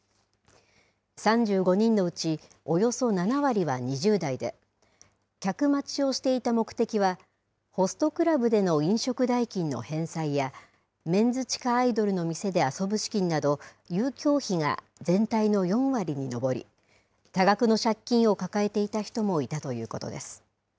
３５人のうちおよそ７割は２０代で、客待ちをしていた目的は、ホストクラブでの飲食代金の返済や、メンズ地下アイドルの店で遊ぶ資金など、遊興費が全体の４割に上り、多額の借金を抱えていた人もいたということです。